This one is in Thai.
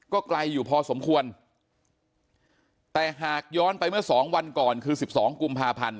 ก็ไกลอยู่พอสมควรแต่หากย้อนไปเมื่อสองวันก่อนคือสิบสองกุมภาพันธ์